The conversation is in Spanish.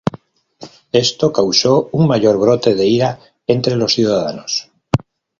Esto causó un mayor brote de ira entre los ciudadanos.